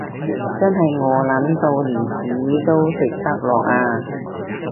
真係餓 𨶙 到連屎都食得落呀